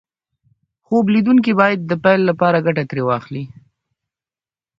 خوب ليدونکي بايد د پيل لپاره ګټه ترې واخلي.